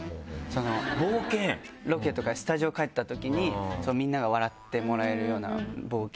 ロケとかスタジオ帰ったときにみんなが笑ってもらえるような冒険とか。